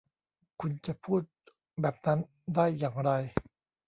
คุณจะพูดแบบนั้นได้อย่างไร ?